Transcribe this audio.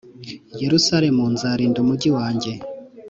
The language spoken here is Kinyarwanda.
Yerusalemu Nzarinda Umugi Wanjye